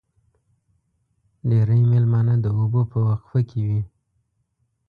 ډېری مېلمانه د اوبو په وقفه کې وي.